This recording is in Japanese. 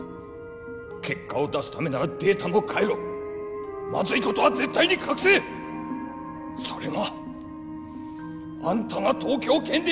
結果を出すためならデータも変えろまずいことは絶対に隠せそれがあんたが東京建